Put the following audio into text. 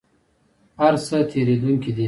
هر څه تیریدونکي دي